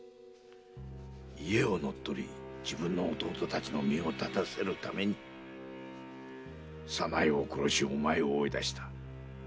家を乗っ取り自分の弟たちの身を立たせるために左内を殺しお前を追いだした。